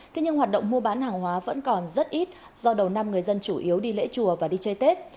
thế nhưng hoạt động mua bán hàng hóa vẫn còn rất ít do đầu năm người dân chủ yếu đi lễ chùa và đi chơi tết